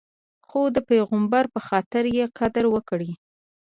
خو د پیغمبر په خاطر یې قدر وکړئ.